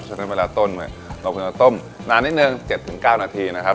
เพราะฉะนั้นเวลาต้นเราคือน้ำต้มนานนิดนึง๗๙นาทีนะครับ